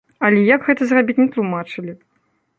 Але як гэта зрабіць, не тлумачылі.